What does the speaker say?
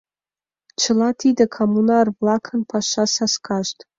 Чыла тиде коммунар-влакын паша саскашт.